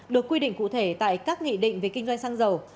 được quy định cụ thể tại các nghị định về kinh doanh xăng dầu